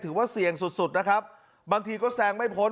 ว่าเสี่ยงสุดสุดนะครับบางทีก็แซงไม่พ้น